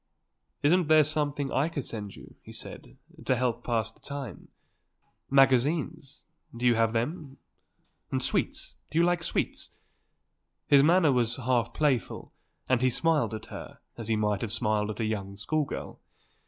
"Isn't there something I could send you," he said, "to help to pass the time? Magazines? Do you have them? And sweets? Do you like sweets?" His manner was half playful and he smiled at her as he might have smiled at a young school girl.